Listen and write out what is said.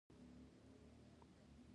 کندز سیند د افغان ځوانانو لپاره دلچسپي لري.